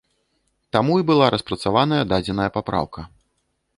Таму і была распрацаваная дадзеная папраўка.